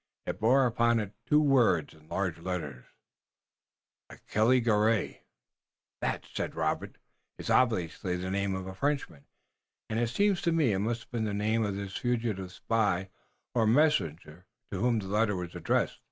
It bore upon it two words in large letters: "ACHILLE GARAY" "That," said Robert, "is obviously the name of a Frenchman, and it seems to me it must have been the name of this fugitive spy or messenger to whom the letter was addressed.